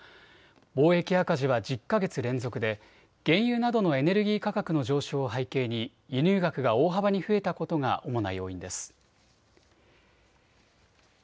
貿易赤字は１０か月連続で原油などのエネルギー価格の上昇を背景に輸入額が大幅に増えたことが主な要因です。